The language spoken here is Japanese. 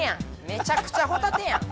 めちゃくちゃホタテやん。